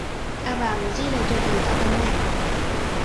阿爸唔知你最近搞緊咩